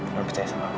non percaya sama aku